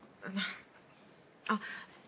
あっ！